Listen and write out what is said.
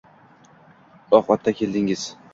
Oq otda keldingiz